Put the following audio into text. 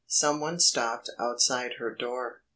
Some one stopped outside her door.